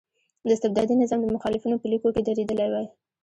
د استبدادي نظام د مخالفینو په لیکو کې درېدلی وای.